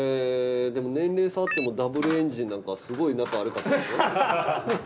でも年齢差あってもＷエンジンなんかすごい仲悪かったですよ。